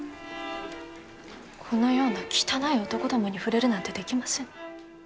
このような汚い男どもに触れるなんてできません。